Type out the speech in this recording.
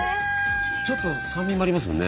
ちょっと酸味もありますもんね。